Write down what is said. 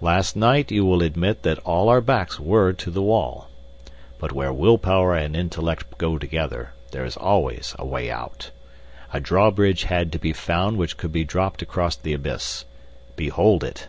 Last night you will admit that all our backs were to the wall. But where will power and intellect go together, there is always a way out. A drawbridge had to be found which could be dropped across the abyss. Behold it!"